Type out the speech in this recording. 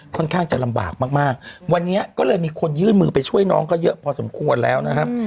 ค่อนข้างจะลำบากมากมากวันนี้ก็เลยมีคนยื่นมือไปช่วยน้องก็เยอะพอสมควรแล้วนะครับ